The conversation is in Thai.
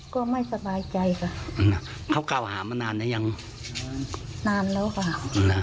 ก็ไม่สบายใจค่ะอืมเขากล่าวหามานานแล้วยังอืมนานแล้วค่ะอืมอ่า